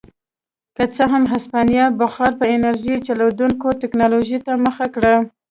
که څه هم هسپانیا بخار په انرژۍ چلېدونکې ټکنالوژۍ ته مخه کړه.